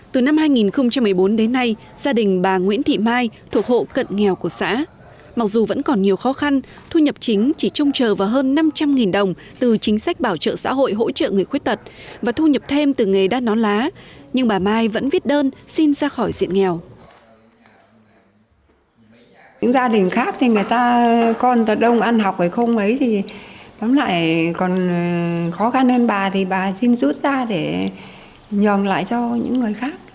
từ năm hai nghìn một mươi bốn đến nay gia đình bà nguyễn thị mai thuộc hộ cận nghèo của xã mặc dù vẫn còn nhiều khó khăn thu nhập chính chỉ trông chờ vào hơn năm trăm linh đồng từ chính sách bảo trợ xã hội hỗ trợ người khuế tật và thu nhập thêm từ nghề đắt nón lá nhưng bà mai vẫn viết đơn xin ra khỏi diện nghèo